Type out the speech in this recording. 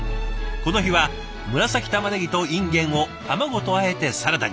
この日は紫たまねぎとインゲンを卵とあえてサラダに。